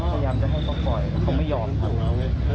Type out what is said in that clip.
พยายามจะให้เขาปล่อยผมไม่ยอมครับ